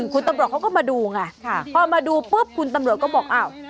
คุณตำรวจเขาก็มาดูไงพอมาดูปุ๊บคุณตำรวจก็บอกอ้าว